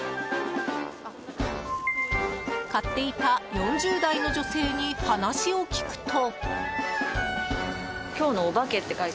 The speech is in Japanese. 買っていた４０代の女性に話を聞くと。